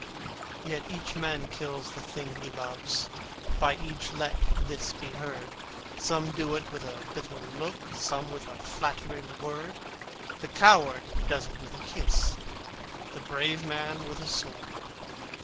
Yet each man kills the thing he loves, By each let this be heard, Some do it with a bitter look, Some with a flattering word, The coward does it with a kiss, The brave man with a sword!